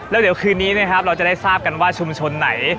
แล้วเดี๋ยวคืนนี้นะครับเราจะได้ทราบกันว่าชุมชนไหน